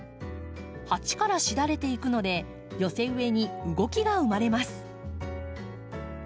鉢からしだれていくので寄せ植えに動きが生まれます。